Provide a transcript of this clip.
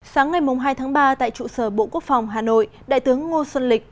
sáng ngày hai tháng ba tại trụ sở bộ quốc phòng hà nội đại tướng ngô xuân lịch